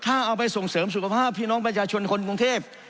ถ้าเอาไปส่งเสริมสุขภาพพี่น้องประชาชนคนกรุงเทพ